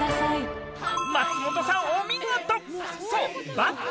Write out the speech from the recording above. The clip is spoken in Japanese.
松本さんお見事！